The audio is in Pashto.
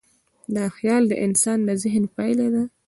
دا خیال د انسان د ذهن پایله ده.